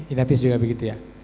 inavis juga begitu ya